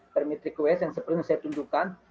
permit request yang sebelumnya saya tunjukkan